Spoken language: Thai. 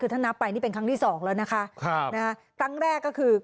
คือถ้านับไปนี่เป็นครั้งที่สองแล้วนะคะครับนะฮะครั้งแรกก็คือ